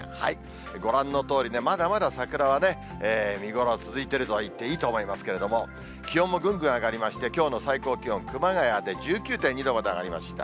ご覧のとおり、まだまだ桜は見頃、続いているといっていいと思いますけども、気温もぐんぐん上がりまして、きょうの最高気温、熊谷で１９．２度まで上がりました。